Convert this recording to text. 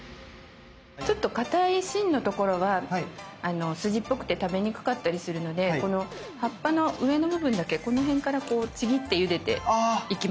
ちょっとかたい芯のところはスジっぽくて食べにくかったりするのでこの葉っぱの上の部分だけこの辺からこうちぎってゆでていきます。